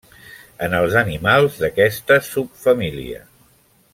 En els animals d'aquesta subfamília.